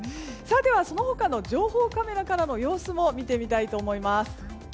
ではその他の情報カメラからの様子も見てみたいと思います。